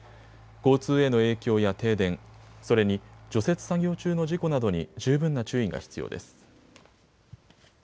交通への影響や停電、それに除雪作業中の事故などに十分な注意が必要です。